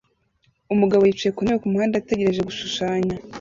Umugabo yicaye ku ntebe kumuhanda ategereje gushushanya